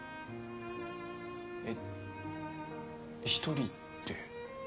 えっ一人って。